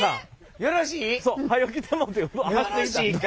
よろしいか。